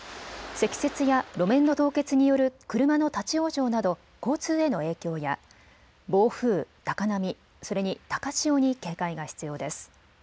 積雪や路面の凍結による車の立往生など交通への影響や暴風、高波、それに高潮に警戒が必要です。